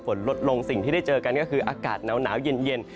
ฝนลดลงสิ่งที่ได้เจอกันก็คืออากาศหนาวเย็น